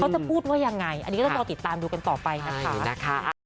จะพูดว่ายังไงอันนี้ก็ต้องรอติดตามดูกันต่อไปนะคะ